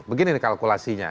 begini nih kalkulasinya